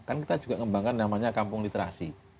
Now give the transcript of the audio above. kan kita juga ngembangkan namanya kampung literasi